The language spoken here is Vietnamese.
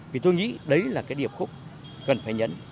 vì tôi nghĩ đấy là cái điệp khúc cần phải nhấn